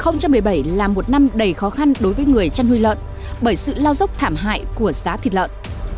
năm hai nghìn một mươi bảy là một năm đầy khó khăn đối với người chăn nuôi lợn bởi sự lao dốc thảm hại của giá thịt lợn